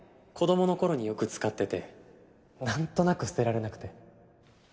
子供の頃によく使っててなんとなく捨てられなくて。